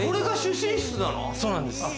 そうなんです。